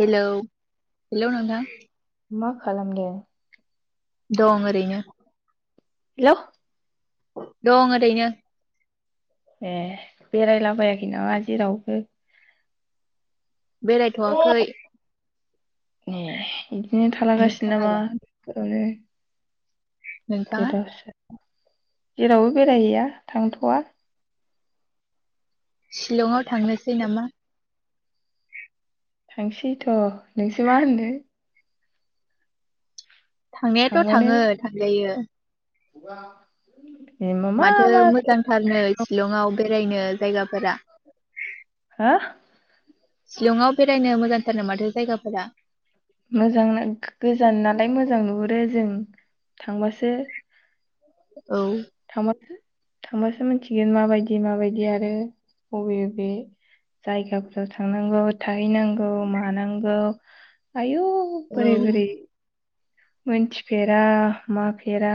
Hello hello नोंथां। मा खालामदो। दं‌ ओरैनो। हेलौ दं ओरैनो। ए बेरायलाबायाखै नामा जेरावबो बेरायथवाखै। ए बिदिनो थालागासिनो मा नोंथाङालाय [unintelligible] नोंथाङा गोदोसो जेरावबो बेरायहैया थांथवा शिलङाव थांनोसै नामा थांसै थ नोंसो मा होनो? थांनायाथ थांबानो थाङो थांजायो [unintelligible] माथो मा मोजांथारनो सिलङाव बेरायनो जायगा हो सिलङाव बेरायनो मोजांथारनो माथो जायगाफोरा मोजांनो गोजान नालाय मोजां नुहुरो जों थांबासो औ थांबा थांबासो मिथिगोन माबायदि माबायदि आरो बबे बबे जायगाफोराव थांनांगौ थाहैनांगौ मानांगौ आयु औ बोरै बोरै मोनथिफेरा माफेरा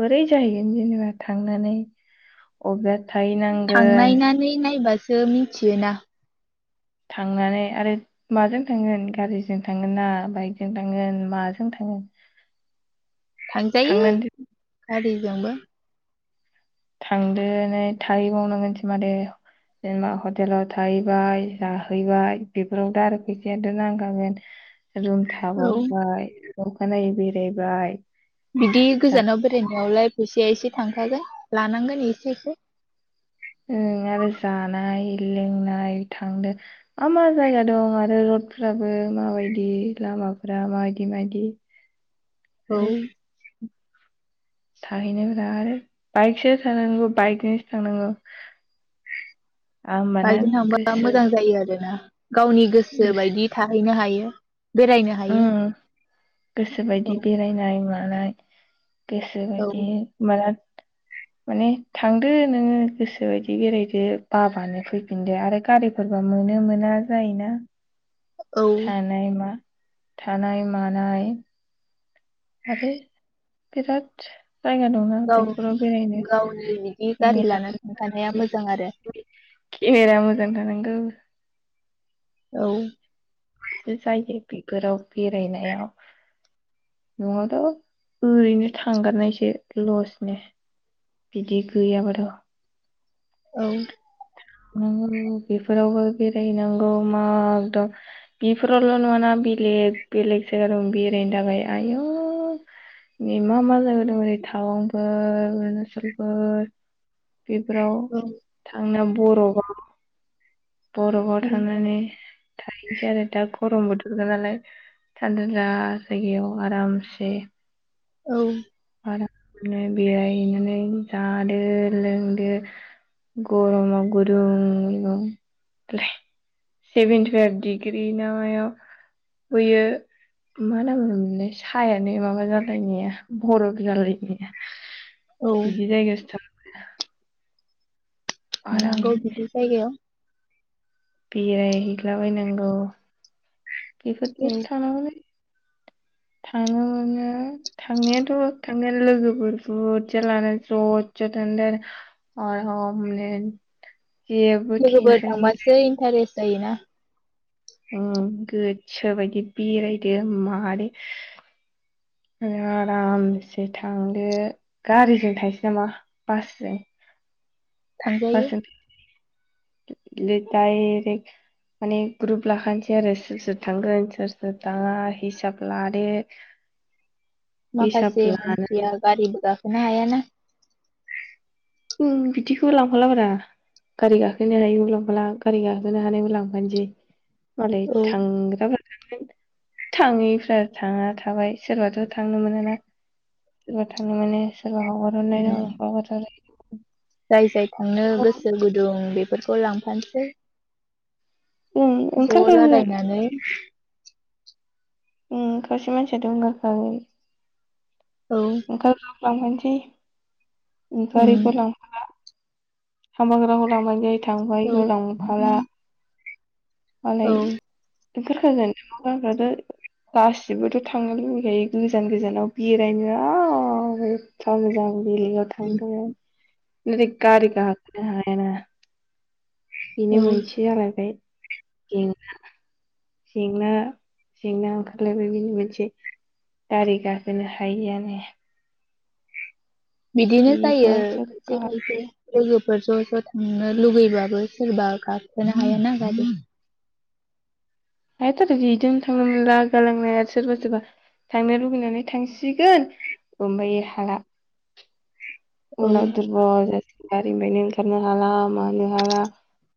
बोरै जाहैगोन जेनेबा थांनानै अब्ला थांनायनानै नायबास सो मिथियोना थांनानै आरो माजों थांगोन गारिजों थांगोन ना बाइकजों थांगोन माजों थांगोन थांजायो थांनानै गारिजोंबो थांदोनै थाहैबावनांगोनसो माथो जेनेबा हटेलाव थाहैबाय जाहैबाय बेफोरावथ आरो फैसायाथ नांखागोन रुम औ थाबावबाय अखानायै बेरायबाय बिदि जा गोजानाव बेरायनायावलाय फैसाया एसे थांखागोन लानांगोन एसे एसे उम आरो जानाय लोंनाय थांनो मा मा जायगा दं आरो रडफ्राबो माबायदि लामाफोरा माबायदि माबायदि औ थाहैनोफोरा आरो बाइकसो थानांगौ बाइकजोंसो थांनांगौ आं होमबाना बाइकजों थांबा गोसो मोजां जायो आरोना गावनि गोसो बायदि थाहैनो हायो बेरायनो हायो उम औ गोसोबायदि बेरायनाय मानाय गोसो बायदि माला माने थांदो नोङो गोसो बायदि बेरायदो बाबानो फैफिनदो आरो गारिफोरबा मोनो मोना जायोना। औ थानाय मा थानाय मानाय आरो बिराद जायगा दङ गाव बेफोराव बेरायनो गावनि बिदि गारि लाना थांखानाया केमेरा मोजां आरो केमेरा मोजां थानांगौ। औ सो जायो बेफोराव बेरायनायाव। न'आवथ' ओरैनो थांगारनायसो लसनो। बिदि गैयाबाथ' औ बेफोरावबो बेरायैनांगौ मकदम बेफोरावल' नङाना बेलेग बेलेग जायगा दं बेरायनो थाखाय आयु नै मा मा जायगा दं ओरै टाउनफोर अरुनाचलफोर बेफोराव औ थांना बरफबाव बरफआव थांनानै थाहैनोसै आरो दा गरम बोथोरगोन नालाय थान्जा जायगायाव आरामसे औ बेरायहैनानै जादो लोंदो गरमाव गुदुं गुुदुं सेभेनत फाइभ डिग्रि ना मायाव बैयो मा नाम होनो मोनलाय सायानो बरफ जालाय औ बिदि जायगायावसो आराम नागौ बिदि जायो बिराय हैलाबायनांगौ औ [inaudible] थानो मोनो थांनायाथ' थांनाय लोगोफोर बुरजा लानानै ज' ज' लानानै थांदों आरो बारहावा लोगोफोर थांबासो इन्टारेस्ट जायो ना उम गोसो बायदि बेरायदो मादै आरामसे थांदो गारिजों थायसै नामा बासजों थांजायो। डायरेक्ट माने ग्रुप लाखानोसै आरो सोर सोर थांगोन सोर सोर थाङा हिसाब लादो हिसाब माखासे लाना मानसिया गारिबो गां खोनो हायाना उम बिदिखौबो लांफाला बारा गारि गाखोनो हायिबो लांफाला गारि गाखोनो हानायबो लांफानोसै। मालाय औ थांग्राबा थाङैफ्रा थाङा थाबाय सोरबाथ' थांनो मोनाना सोरबा थांनो मोनो उम सोरबा जाय जाय थांनो गोसो गुदुं बे बेफोरखौ लांफानोसै उम ओंखारखागोन ज'लालायनानै खासे मानसियाथ' ओंखार खागोन औ [unintelligible] [unintelligible] [unintelligible] थांबाय उम औ गोलांफाला मालाय औ ओंखारखागोन [unintelligible] ' गासिबोथ' थांनो लुबैखायो गोजान गोजानाव बेरायनो [unintelligible] [unintelligible] थांगोन नोगोद गारि गाखोनो हानाय नङा बेनो औ मोनसे जालायबाय जेंना जेंना जेंना ओंखारलायबाय बिनि मोनसे गारि गाखोनो हायियानो बिदिनो जायो बेफोरावसो खनसे खनसे लोगोफोर ज' ज' थांनो लुुबैबाबो सोरबा गाखोनो हाया ना गारि हाथ' र' बिदिनो थांनो मोनला गालांनाया सोरबा सोरबा थांनो लुुबैनानै थांसिगोन ओमफायो हाला औ उनाव [unintelligible] गारिनिफ्रायनो ओंखारनो हाला मानो हाला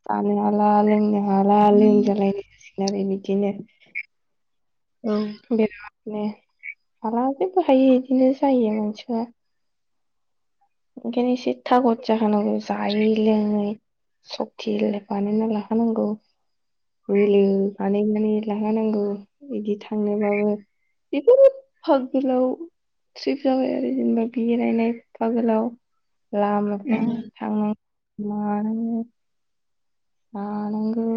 जानो हाला लोंनो हाला लोमजालाय मारै बिदिनो औ बे [unintelligible] [unintelligible] जेबो हायो बिदिनो जायो [unintelligible] ओंखायनो एसे थागद जाखानांगौ जायै लोङै सक्ति बानायना लाखानांगौ बोलो बानायनानै लाखानांगौ बिदि थांनोबाबो बेफोर एफा गोलाव ट्रिफ जाबाय आरो जेनेबा बेरायनाय [unintelligible] हेल' [unintelligible] थानाय मा होनो हा नांगौ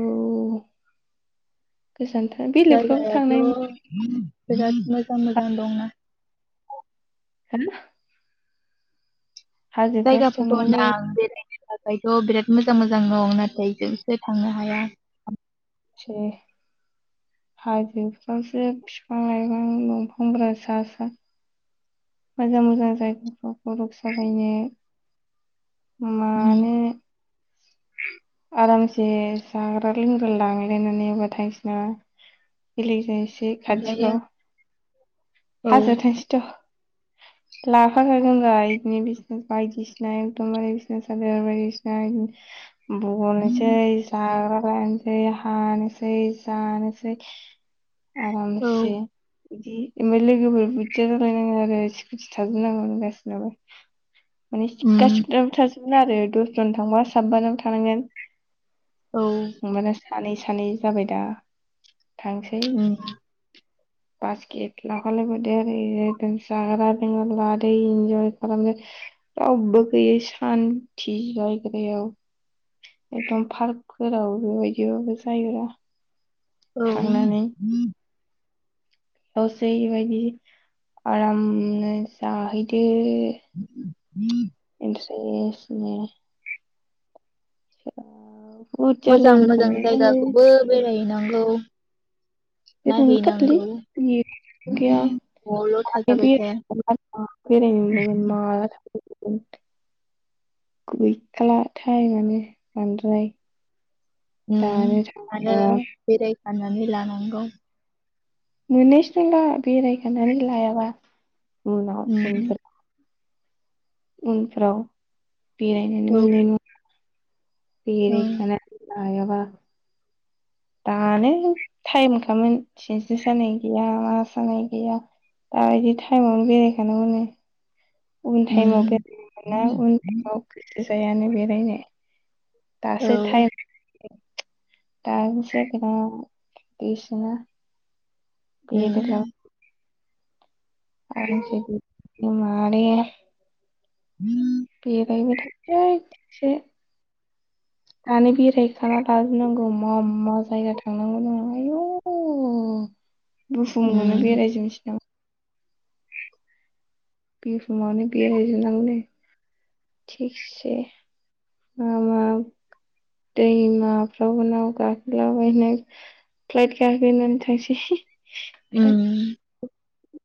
जायगायाथ' बेराद मोजां मोजां मोजां दंना हेल जायगाफोरखौ थांनांगौलै एसे होनदां बेरायनो [unintelligible] ओमफ्रायथ' बिराद मोजां मोजां दं नाथाय जोंसो थांनो हाया हाजोफ्रावसो बिफां लाइफां दंफांफोरा सा सा मोजां मोजां जायगाफ्राव फथग साफायनो माने आरामसे जाग्रा लोंग्रा लांलायनानै एबार थांसै नामा बेलेक [unintelligible] थांजायो खाथिफ्राव औ हाजो थांसैथ लांफाखा [unintelligible] बिदिनो बिजनेस बायदिसिना एकदमबारे बिजनेस बायदिसिना [unintelligible] राननोसै हानोसै जानोसै आरामसे बिदि ओमफ्राय लोगोफोर बुरजा जालायनाङा आरो सिकुटि थाजोबनांगौ गासिनाबो माने उम गासिनाबो था थागोन आरो दस जन थांबा साबबानाव थानांगोन औ होमबाना सानै सानै जाबाय दा थांसै उम बासखेत लाफालायबावदो ओरै जाय जाग्रा लोंग्रा लादो इन्जय खालामदो रावबो गैयै सान्थि जायगायाव एकदम पार्कफोराव बेबायदिबाबो जायो रा औ दसे बेबायदि आरामनो जाहैदो। [inaudible] [inaudible] [unintelligible] [unintelligible] मोजां लोगो मोजां जायगाखौबो थानांगोनलै बेरायहैनांगौ [unintelligible] नायहैनांगौ न'आवल' थाजाबाय थाया बेरायनो माला‌ थांगोन गैखाला ताइमानो बांद्राय दानो ओम आरो थांखायाबा बेराय खानानै लानांगौ मोननायसो नंला बेरायखानानै लायाबा उनाव उम उनफोर उनफ्राव बेरायनोनो‌ औ मोननाय नङा। उम बेरायखाना लायाबा दानो टाइमखामोन सिनस्रि सानाय गैया मा सानाय गैया दाबायदि टाइमावनो बेरायखानो मोनो। उनथाइमाव बेरायनो मोना। उनफोराव जायानो बेरायनो दासो उम ताइम [unintelligible] बेेल [unintelligible] मादैया [inaudible] बेरायबाय थानोसै थिखसे दानो बेरायखाना लाजोबनांगौ मा मा जायगा थांनांगौ दङ आयु बुहुमखौनो बेरायजोबनोसै नामा बुहुमावनो बेरायजोबनांगौनो थिखसे मा मा दैमाफ्रावनाव नाव गाखोलाबायनो फ्लाइट गाखोनानै थांसै औ प्लाइट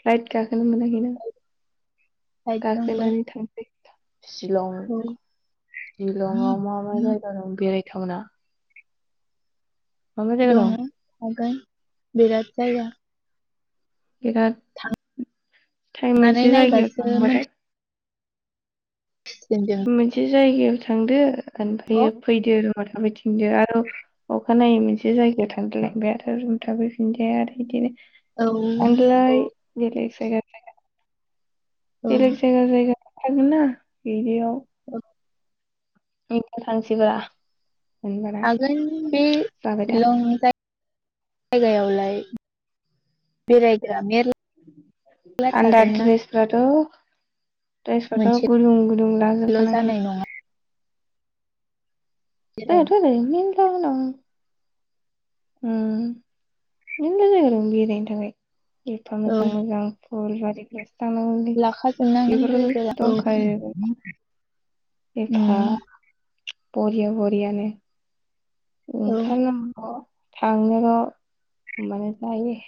प्लाइट गाखोनो मोनाखैना साइदजोंबो गाखोनानै थांसै सिलं औ सिलंआव मा मा जायगा दं बेराय बिथावना दं दङो आागोन बिराद जायगा बेराद टाइम थांनानै मोनसे जायगायाव नायबासो मोनथिसिगोन थांबाथाय जों मोनसे जायगायाव थांदो बेखौ। ओमफ्रायायो फैदो र थाबै थिनदो आरो अखानायै मोनसे जायगायाव थांदलायबाय आरो रुमथाफैफिनदो आरो बिदिनो औ औ थालाय बेलेग जायगा [inaudible] औ बेलेग जायगा जायगा थागोनना बिदियाव औ इ थांनिसैब्रा थागोन दा बेलं जा जायगायावलाय बेरायग्रा मेरला थान्दा थागोन ना द्रेसफ्राथ द्रेसफ्राथ मोनसेल' गुदुं गुदुं लाजोबखानांगोन जानाय नङा दाथ बेरायनो दै नं नं ओ मेनला जायगा दं बेरायनो थाखाय एफा मोजां मोजां [unintelligible] लाखा जोबनांगोनदे। बेफोरावथ' दंखायो एफा। बरिया बरियानो [unintelligible] औ थांनोल' होमबानो जायो